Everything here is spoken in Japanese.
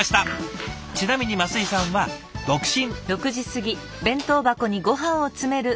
ちなみに升井さんは独身。